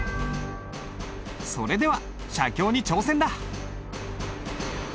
それでは写経に挑戦だ！